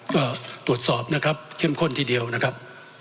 ก็ตรวจสอบนะครับเข้มข้นทีเดียวนะครับ